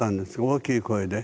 大きい声で？